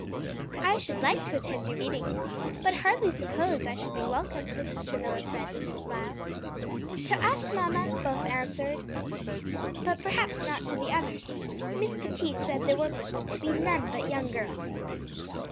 "I should like to attend your meetings, but hardly suppose I should be welcome," Mrs. Travilla said with a smile. "To us, mamma," both answered, "but perhaps not to the others. Miss Pettit said there were to be none but young girls."